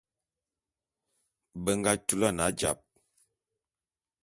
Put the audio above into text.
Be nga tulan ajap.